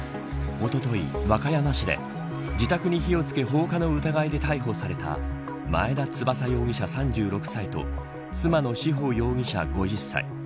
おととい、和歌山市で自宅に火を付け放火の疑いで逮捕された前田翼容疑者３６歳と妻の志保容疑者５０歳。